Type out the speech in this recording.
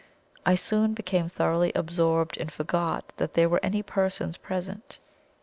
I soon became thoroughly absorbed, and forgot that there were any persons present.